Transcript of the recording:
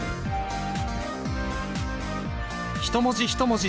一文字一文字